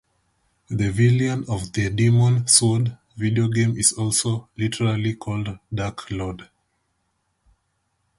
The villain of the "Demon Sword" video game is also literally called Dark Lord.